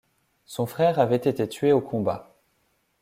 Son frère avait été tué au combat.